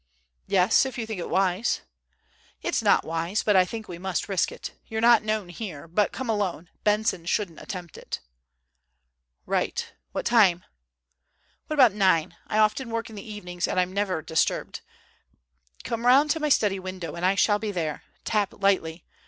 "Yes, if you think it wise?" "It's not wise, but I think we must risk it. You're not known here. But come alone; Benson shouldn't attempt it." "Right. What time?" "What about nine? I often work in the evenings, and I'm never disturbed. Come round to my study window and I shall be there. Tap lightly.